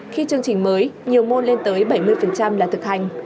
khi chương trình mới nhiều môn lên tới bảy mươi là thực hành